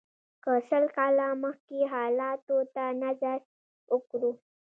که سل کاله مخکې حالاتو ته نظر وکړو.